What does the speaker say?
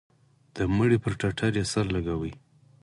د مړي پر ټټر يې سر لگاوه.